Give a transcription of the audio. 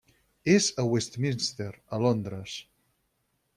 És a Westminster, a Londres.